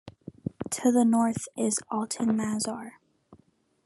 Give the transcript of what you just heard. To the north is Altyn Mazar.